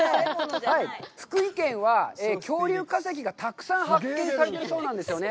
福井県は恐竜化石がたくさん発見されているそうなんですよね。